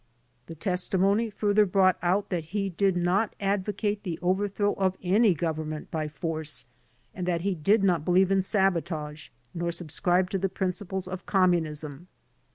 The testimony further brought out that he did 30 THE DEPORTATION CASES not advocate the overthrow of any government by force and that he did not believe in sabotage, nor subscribe to the principles of Communism.